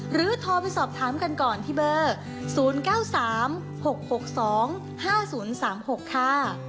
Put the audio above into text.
โทรไปสอบถามกันก่อนที่เบอร์๐๙๓๖๖๒๕๐๓๖ค่ะ